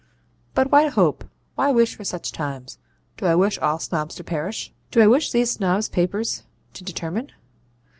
But why hope, why wish for such times? Do I wish all Snobs to perish? Do I wish these Snob papers to determine?